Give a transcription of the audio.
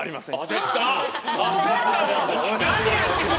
焦った。